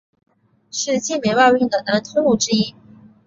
是晋煤外运的南通路之一。